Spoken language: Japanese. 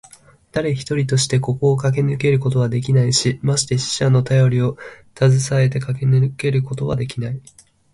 だれ一人としてここをかけ抜けることはできないし、まして死者のたよりをたずさえてかけ抜けることはできない。